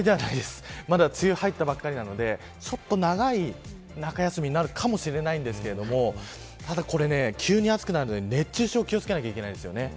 まだ梅雨に入ったばっかりなのでちょっと長い中休みになるかもしれませんがただこれ急に暑くなるので熱中症に気を付けないといけないんですね。